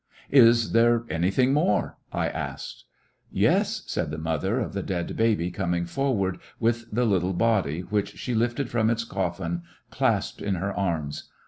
"Is there anything more? " I asked. "Yes," said the mother of the dead baby coming forward with the little body, which she lifted from its coffin, clasped in her arms.